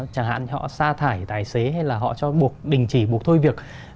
chẳng hạn họ xa thải tài xế hay là họ cho đình chỉ buộc thôi việc